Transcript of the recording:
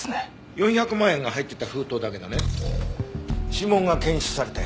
４００万円が入ってた封筒だけどね指紋が検出されたよ。